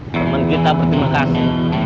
temen kita berterima kasih